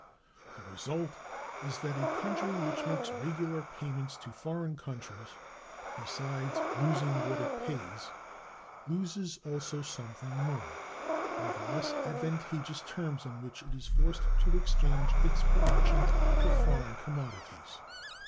The result is, that a country which makes regular payments to foreign countries, besides losing what it pays, loses also something more, by the less advantageous terms on which it is forced to exchange its productions for foreign commodities.